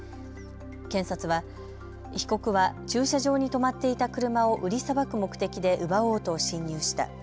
検察は被告は駐車場に止まっていた車を売りさばく目的で奪おうと侵入した。